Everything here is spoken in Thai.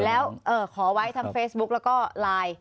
แล้วขอไว้ทั้งเฟซบุ๊กแล้วก็ไลน์